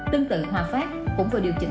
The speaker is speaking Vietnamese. tương tự hòa pháp cũng vừa điều chỉnh